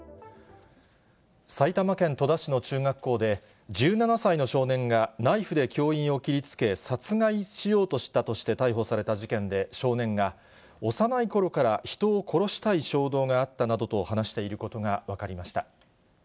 埼玉県戸田市の中学校で、１７歳の少年がナイフで教員を切りつけ、殺害しようとしたとして逮捕された事件で、少年が、幼いころから人を殺したい衝動があったなどと話していることが分かりました。